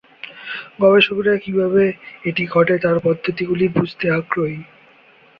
গবেষকরা কীভাবে এটি ঘটে তার পদ্ধতিগুলি বুঝতে আগ্রহী।